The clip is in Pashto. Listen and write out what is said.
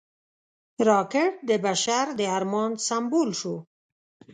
راکټ د بشر د ارمان سمبول شو